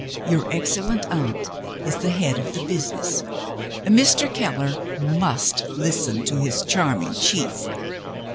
Your excellent aunt is the head of the business; Mr. Keller must listen to his charming chief.